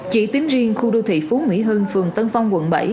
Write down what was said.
chỉ tính riêng khu đô thị phú mỹ hưng phường tân phong quận bảy